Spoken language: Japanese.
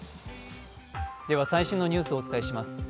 では最新のニュースをお伝えします。